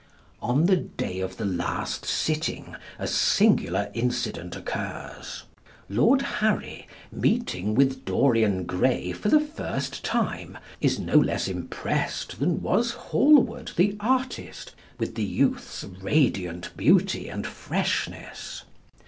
On the day of the last sitting a singular incident occurs. Lord Harry, meeting with Dorian Gray for the first time, is no less impressed than was Hallward, the artist, with the youth's radiant beauty and freshness.